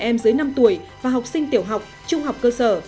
trẻ em dưới năm tuổi và học sinh tiểu học trung học cơ sở